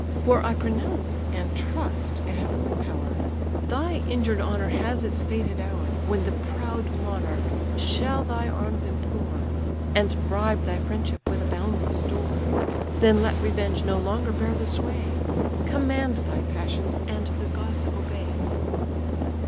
For I pronounce (and trust a heavenly power) Thy injured honour has its fated hour, When the proud monarch shall thy arms implore, And bribe thy friendship with a boundless store. Then let revenge no longer bear the sway; Command thy passions, and the gods obey."